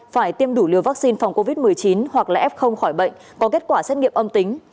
phải tiêm đủ liều vaccine phòng covid một mươi chín hoặc là f khỏi bệnh có kết quả xét nghiệm âm tính